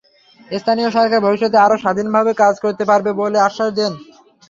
স্থানীয় সরকার ভবিষ্যতে আরও স্বাধীনভাবে কাজ করতে পারবে বলে আশ্বাস দেন তিনি।